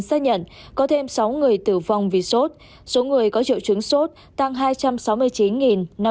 đã xác nhận có thêm sáu người tử vong vì sốt số người có triệu chứng sốt tăng hai trăm sáu mươi chín năm trăm một mươi